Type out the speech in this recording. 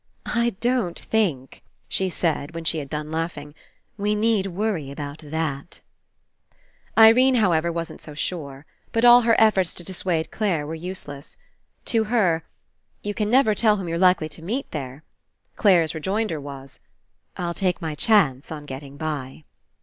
"I don't think," she said, when she had done laughing, "we need worry about that.'* 126 ^ RE ENCOUNTER '^/ ^y Irene, however, wasn't so sure. But all her efforts to dissuade Clare were useless. To her, "You never can tell whom you're likely to meet there," Clare's rejoinder was: "I'll take my chance on getting by."